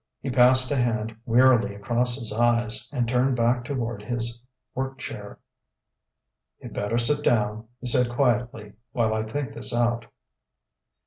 He passed a hand wearily across his eyes, and turned back toward his work chair. "You'd better sit down," he said quietly, "while I think this out."